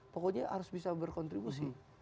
pokoknya harus bisa berkontribusi